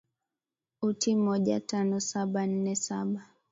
uti moja tano saba nne saba